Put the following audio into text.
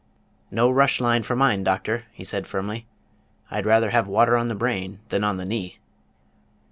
"No rush line for mine, Doctor," he said, firmly. "I'd rather have water on the brain than on the knee."